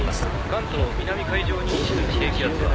「関東南海上に位置する低気圧は」